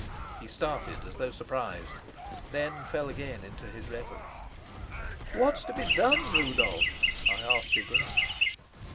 He started as though surprised, then fell again into his reverie. "What's to be done, Rudolf?" I asked again.